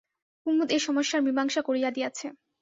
কুমুদ এ সমস্যার মীমাংসা করিয়া দিয়াছে।